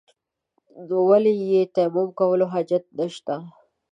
نو ولې يې تيمم کولو حاجت نشته.